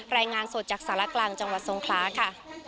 รายงานสดจากสารกลางจังหวัดทรงคลาค่ะ